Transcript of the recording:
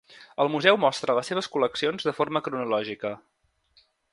El museu mostra les seves col·leccions de forma cronològica.